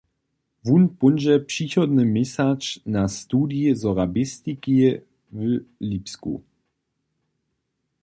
Wón póńdźe přichodny měsac na studij sorabistiki w Lipsku.